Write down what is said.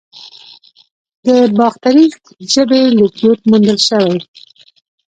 د باختري ژبې لیکدود موندل شوی